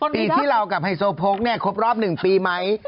ปีที่เรากับไฮโซโพกเนี่ยครบรอบ๑ปีไหม